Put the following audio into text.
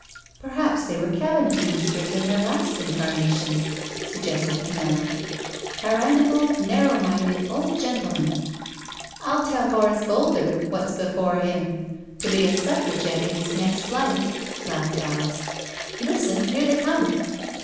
" Perhaps they were Cabinet Ministers in their last incarnations," suggested Penelope—" tyrannical, narrow minded old gentlemen." *' I'll tell Horace Boulder what's before him— to be a Suffragette in his next life," laughed Alice. *' Listen, here they come."